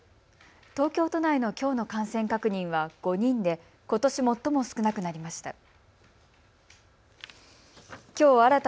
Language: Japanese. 東京都内のきょうの感染確認は５人で、ことし最も少なくなりました。